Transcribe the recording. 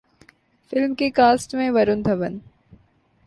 film کی cast میں ورون دھون